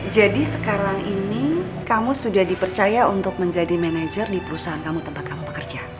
jadi sekarang ini kamu sudah dipercaya untuk menjadi manager di perusahaan kamu tempat kamu bekerja